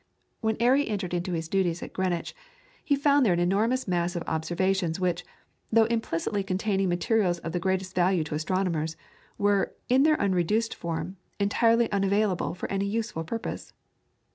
When Airy entered on his duties at Greenwich he found there an enormous mass of observations which, though implicitly containing materials of the greatest value to astronomers, were, in their unreduced form, entirely unavailable for any useful purpose.